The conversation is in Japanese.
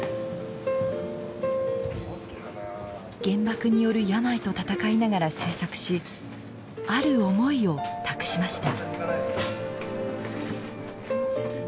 原爆による病と闘いながら製作しある思いを託しました。